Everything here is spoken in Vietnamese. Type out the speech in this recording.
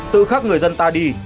tự khắc người dân ta đi